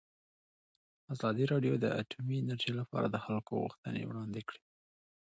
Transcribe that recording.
ازادي راډیو د اټومي انرژي لپاره د خلکو غوښتنې وړاندې کړي.